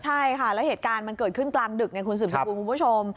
ใช่ค่ะแล้วเหตุการณ์มันเกิดขึ้นกลางดึกไงคุณสืบสกุลคุณผู้ชม